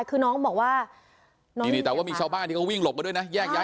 คือน้องบอกว่า